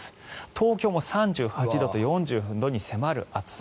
東京も３８度と４０度に迫る暑さ。